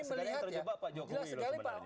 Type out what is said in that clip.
sekali yang terjebak pak jokowi loh sebenarnya